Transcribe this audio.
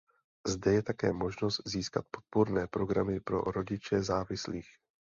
Zde je také možnost získat podpůrné programy pro rodiče závislých.